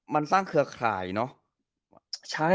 มันสร้างเครือข่ายเนอะ